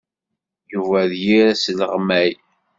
Yuba d yir asleɣmay.